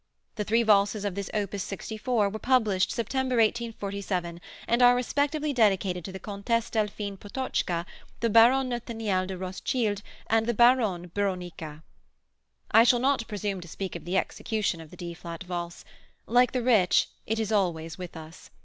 The three valses of this op. 64 were published September, 1847, and are respectively dedicated to the Comtesse Delphine Potocka, the Baronne Nathaniel de Rothschild and the Baronne Bronicka. I shall not presume to speak of the execution of the D flat Valse; like the rich, it is always with us.